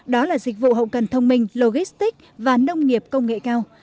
đó là dịch vụ hậu cần thông minh logistic và nông nghiệp công nghệ cao